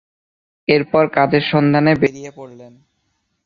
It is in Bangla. এরপর কাজের সন্ধানে বেড়িয়ে পড়লেন।